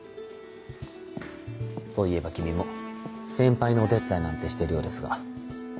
そういえば君も先輩のお手伝いなんてしてるようですが。